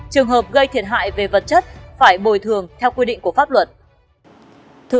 trường hợp gây thiệt hại về vật chất phải bồi thường theo quy định của pháp luật